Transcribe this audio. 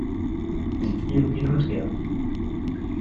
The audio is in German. Sie ziehen hin und her.